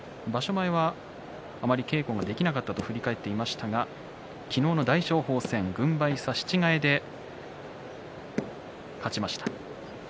前はあまり稽古はできなかったと振り返っていましたが昨日の大翔鵬戦、軍配差し違えで勝ちました。